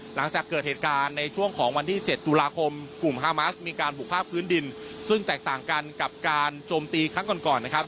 หลังจากเกิดเหตุการณ์ในช่วงของวันที่๗ตุลาคมกลุ่มฮามาสมีการบุกภาพพื้นดินซึ่งแตกต่างกันกับการโจมตีครั้งก่อนก่อนนะครับ